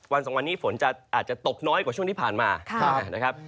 สองวันนี้ฝนอาจจะตกน้อยกว่าช่วงที่ผ่านมานะครับ